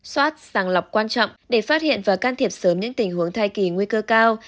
soát sàng lọc quan trọng để phát hiện và can thiệp sớm những tình huống thai kỳ nguy cơ cao